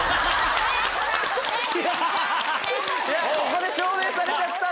ここで証明されちゃった。